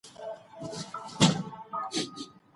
ایا هغه مړ ږدن ډنډ ته نږدې ګڼي؟